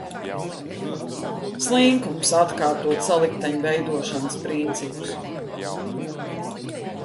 Slinkums atkārtot salikteņu veidošanas principus.